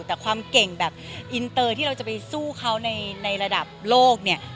แต่ความเก่งแบบอินเตอร์ที่เราจะไปสู้เขาในระดับโลกเนี่ย